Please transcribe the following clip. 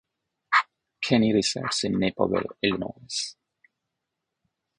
Kenny resides in Naperville, Illinois.